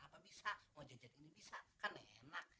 mau jajan ini bisa kan enak